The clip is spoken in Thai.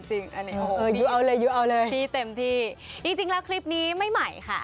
จริงแล้วคลิปนี้ไม่ใหม่ค่ะ